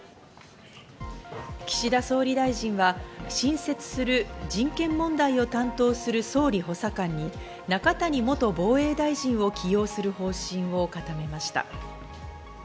岸田総理大臣は新設する人権問題を担当する総理補佐官に中谷元防衛大臣を起用する方針を固めました。